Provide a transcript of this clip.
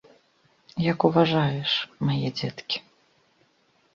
Як уважаеш, мае дзеткі.